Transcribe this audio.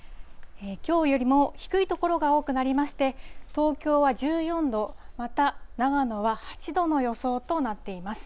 きょうよりも低い所が多くなりまして、東京は１４度、また長野は８度の予想となっています。